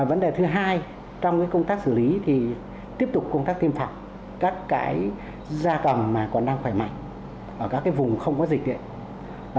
vấn đề thứ hai trong công tác xử lý thì tiếp tục công tác tiêm phòng các gia cầm mà còn đang khỏe mạnh ở các vùng không có dịch